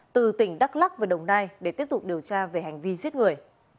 từ tỉnh đắk lắc và đồng nai để tiếp tục điều tra về hành vi giết người